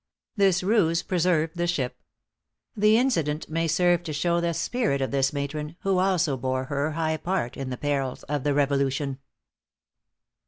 This ruse preserved the ship. The incident may serve to show the spirit of this matron, who also bore her high part in the perils of the Revolution.